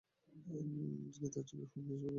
তিনি তার ছবির ‘ফর্ম’ হিসেবে গ্রহণ করেন।